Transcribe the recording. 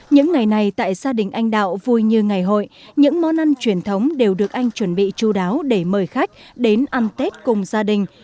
những ngày này tại gia đình anh đạo vui như ngày hội những món ăn truyền thống đều được anh chuẩn bị chú đáo để mời khách đến ăn tết cùng gia đình